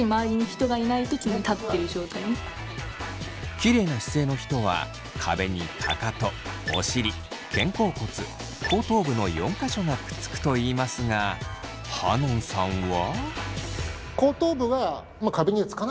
きれいな姿勢の人は壁にかかとお尻肩甲骨後頭部の４か所がくっつくといいますがはのんさんは。